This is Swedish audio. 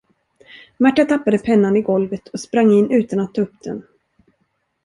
Märta tappade pennan i golvet och sprang in utan att ta upp den.